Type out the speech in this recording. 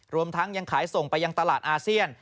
รวมทั้งยังขายส่งไปยังตลาดอาเซียน